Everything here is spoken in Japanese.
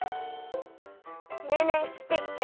ねえねえきてきて！